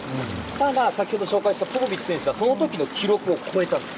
ただ、先ほど紹介したポポビッチ選手はその記録を超えたんです。